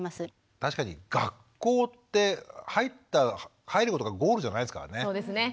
確かに学校って入ることがゴールじゃないですからね。